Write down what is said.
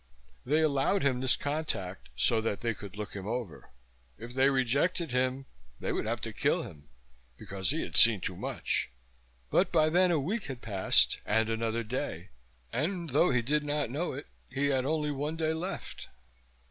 They allowed him this contact so that they could look him over. If they rejected him they would have to kill him, because he had seen too much. But by then a week had passed, and another day, and though he did not know it he had only one day left.